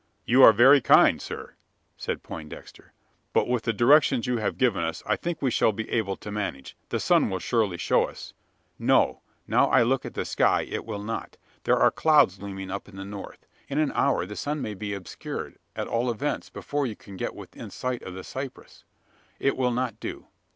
"You are very kind, sir," said Poindexter; "but with the directions you have given us, I think we shall be able to manage. The sun will surely show us " "No: now I look at the sky, it will not. There are clouds looming up on the north. In an hour, the sun may be obscured at all events, before you can get within sight of the cypress. It will not do.